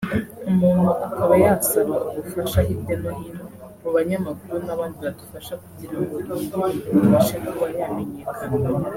umuntu akaba yasaba ubufasha hirya no hino mu banyamakuru n’abandi badufasha kugirango iyi ndirimbo ibashe kuba yamenyekana”